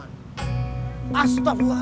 bandung prestonya om herman